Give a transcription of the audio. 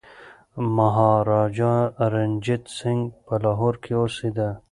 مهاراجا رنجیت سنګ په لاهور کي اوسېده.